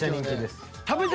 食べた事。